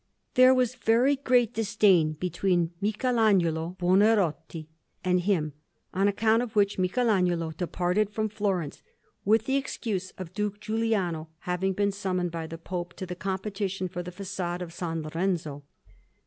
There was very great disdain between Michelagnolo Buonarroti and him, on account of which Michelagnolo departed from Florence, with the excuse of Duke Giuliano, having been summoned by the Pope to the competition for the façade of S. Lorenzo.